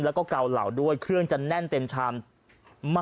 แล้วก็เกาเหล่าด้วยเครื่องจะแน่นเต็มชาม